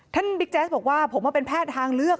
บิ๊กแจ๊สบอกว่าผมมาเป็นแพทย์ทางเลือก